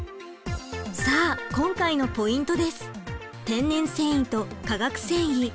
さあ今回のポイントです。